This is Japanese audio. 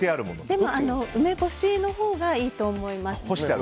でも梅干しのほうがいいと思います。